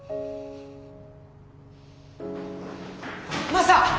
マサ！